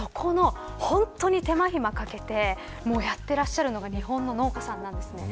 本当に手間暇かけてやっていらっしゃるのが日本の農家さんなんです。